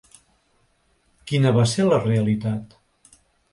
Quina va ser la realitat?